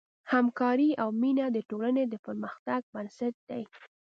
همکاري او مینه د ټولنې د پرمختګ بنسټ دی.